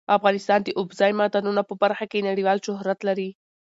افغانستان د اوبزین معدنونه په برخه کې نړیوال شهرت لري.